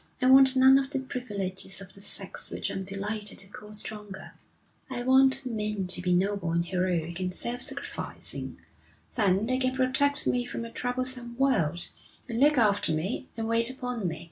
'I want none of the privileges of the sex which I'm delighted to call stronger. I want men to be noble and heroic and self sacrificing; then they can protect me from a troublesome world, and look after me, and wait upon me.